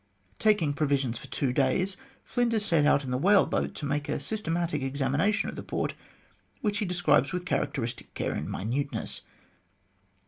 Taking pro visions for two days, Flinders set out in the whale boat to make a systematic examination of the port, which he describes with characteristic care and minuteness.